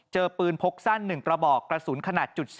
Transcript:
เจอปืนพกสั้น๑กระบอกกระสุนขนาด๒